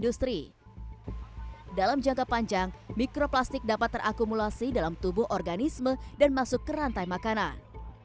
dalam jangka panjang mikroplastik dapat terakumulasi dalam tubuh organisme dan masuk ke rantai makanan